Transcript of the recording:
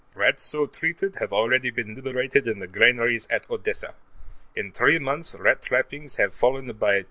Rats so treated have already been liberated in the granaries at Odessa; in three months, rat trappings there have fallen by 26.